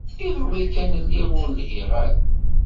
Iḍelli kan lliɣ ur lhiɣ ara.